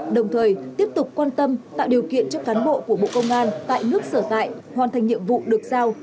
đồng thời tiếp tục quan tâm tạo điều kiện cho cán bộ của bộ công an tại nước sở tại hoàn thành nhiệm vụ được giao